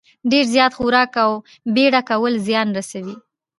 ډېر زیات خوراک او بېړه کول زیان رسوي.